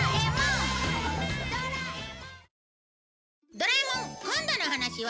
『ドラえもん』今度のお話は？